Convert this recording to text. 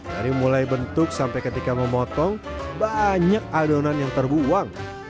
dari mulai bentuk sampai ketika memotong banyak adonan yang terbuang